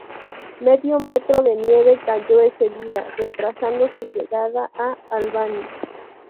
Medio metro de nieve cayó ese día, retrasando su llegada a Albany.